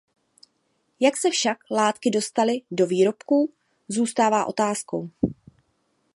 Jak se však látky dostaly do výrobků, zůstává otázkou.